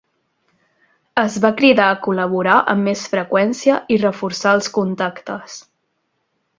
Es va cridar a col·laborar amb més freqüència i reforçar els contactes.